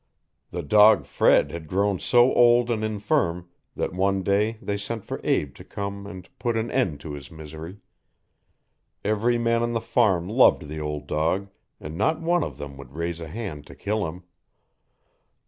The dog Fred had grown so old and infirm that one day they sent for Abe to come and put an end to his misery. Every man on the farm loved the old dog and not one of them would raise a hand to kill him.